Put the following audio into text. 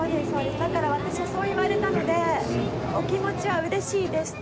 だから私はそう言われたので「お気持ちは嬉しいです」って。